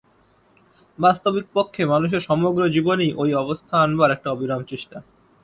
বাস্তবিকপক্ষে মানুষের সমগ্র জীবনই ঐ অবস্থা আনবার একটি অবিরাম চেষ্টা।